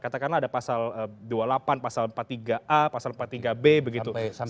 katakanlah ada pasal dua puluh delapan pasal empat puluh tiga a pasal empat puluh tiga b begitu